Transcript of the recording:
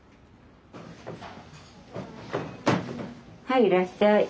はいいらっしゃい。